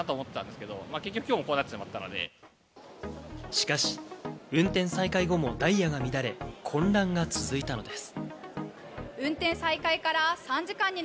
しかし、運転再開後もダイヤが乱れ、混乱が続いたのです。